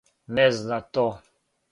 Не зна то.